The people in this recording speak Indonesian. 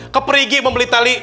keperigi membeli tali